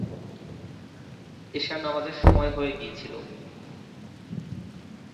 এশার নামাজের সময় হয়ে গিয়েছিল।